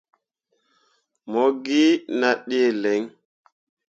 Mo gi nah ɗǝǝ lǝŋ.